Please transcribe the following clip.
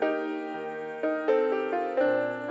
ya enak nih